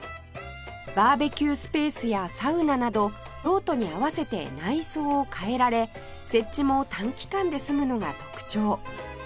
バーベキュースペースやサウナなど用途に合わせて内装を変えられ設置も短期間で済むのが特徴